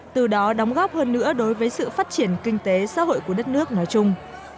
từ đó đóng góp hơn nữa đối với sự phát triển kinh tế xã hội của đất nước nói chung